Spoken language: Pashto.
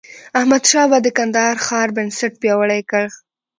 احمدشاه بابا د کندهار ښار بنسټ پیاوړی کړ.